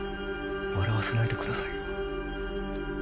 笑わせないでくださいよ。